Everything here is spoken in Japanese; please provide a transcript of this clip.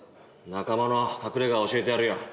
仲間の隠れ家教えてやるよ。